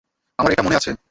আমার এটা মনে আছে।